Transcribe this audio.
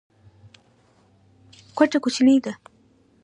کوټه کوچنۍ ده.